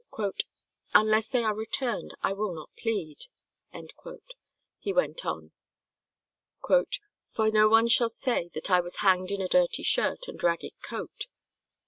"Unless they are returned, I will not plead," he went on, "for no one shall say that I was hanged in a dirty shirt and a ragged coat."